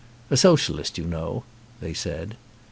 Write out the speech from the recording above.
"A socialist, you know," they said.